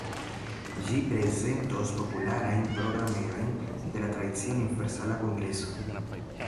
Ĝi prezentos popularajn programerojn de la tradicia Universala Kongreso.